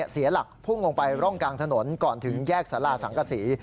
เสียหลักพุ่งลงไปร่องกลางถนนก่อนถึงแยกสาราสังกษี